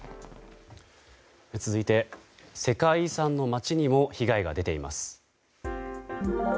続いて世界遺産の街にも被害が出ています。